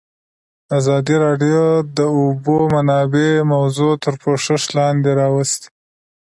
ازادي راډیو د د اوبو منابع موضوع تر پوښښ لاندې راوستې.